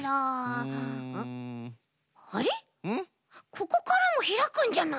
ここからもひらくんじゃない？